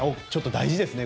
大事ですね